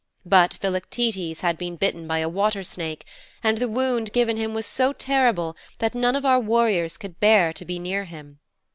But Philoctetes had been bitten by a water snake, and the wound given him was so terrible that none of our warriors could bear to be near him.